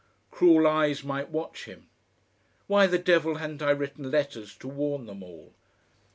Cruel eyes might watch him. Why the devil hadn't I written letters to warn them all?